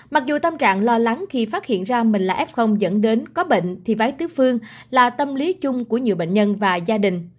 mặc dù tâm trạng lo lắng khi phát hiện ra mình là f dẫn đến có bệnh thì vái tứ phương là tâm lý chung của nhiều bệnh nhân và gia đình